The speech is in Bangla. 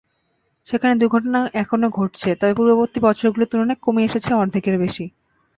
সেখানে দুর্ঘটনা এখনো ঘটছে, তবে পূর্ববর্তী বছরগুলোর তুলনায় কমে এসেছে অর্ধেকের বেশি।